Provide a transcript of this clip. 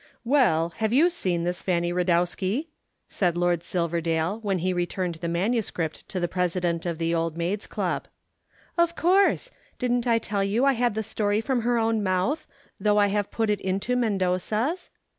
"Well, have you seen this Fanny Radowski?" said Lord Silverdale, when he returned the manuscript to the President of the Old Maids' Club. "Of course. Didn't I tell you I had the story from her own mouth, though I have put it into Mendoza's?"